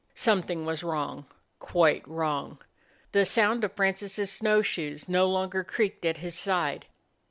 Some thing was wrong; quite wrong. The sound of Francis' snow r shoes no longer creaked at his side.